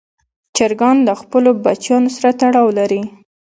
چرګان له خپلو بچیانو سره تړاو لري.